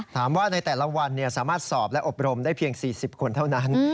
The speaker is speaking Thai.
ถามว่าในแต่ละวันสามารถสอบและอบรมได้เพียง๔๐คนเท่านั้น